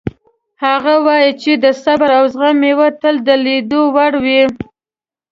هغه وایي چې د صبر او زغم میوه تل د لیدو وړ وي